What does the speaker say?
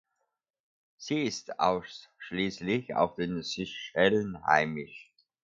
Sie ist ausschließlich auf den Seychellen heimisch.